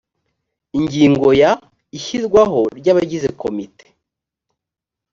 ingingo ya ishyirwaho ry abagize komite